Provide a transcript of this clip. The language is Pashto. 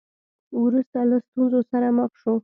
وروسته له ستونزو سره مخ شو.